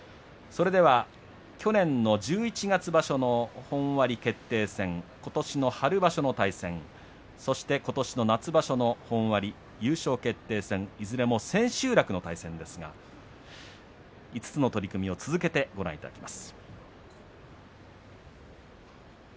去年の十一月場所の本割決定戦ことしの春場所の対戦そしてことしの夏場所の本割優勝決定戦、いずれも千秋楽の対戦ですが５つの取組を続けてご覧いただきます。